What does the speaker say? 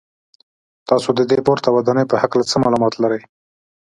تاسو د دې پورته ودانۍ په هکله څه معلومات لرئ.